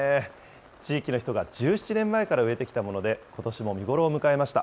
地域の人が１７年前から植えてきたもので、ことしも見頃を迎えました。